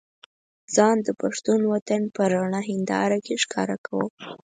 ځان د پښتون وطن په رڼه هينداره کې ښکاره کوم.